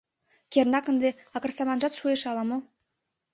Кернакак ынде акырсаманжат шуэш ала-мо?